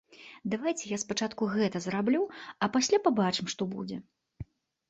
Давайце я спачатку гэта зраблю, а пасля пабачым, што будзе.